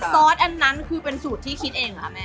ซอสอันนั้นคือเป็นสูตรที่คิดเองเหรอคะแม่